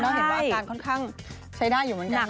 แล้วเห็นว่าอาการค่อนข้างใช้ได้อยู่เหมือนกัน